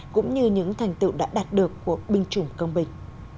cũng như những thành tựu đã đạt được của binh chủng công binh